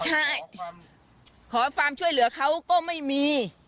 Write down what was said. ใช่ขอความช่วยเหลือเขาก็ไม่มี